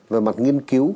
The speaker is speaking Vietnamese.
về mặt nghiên cứu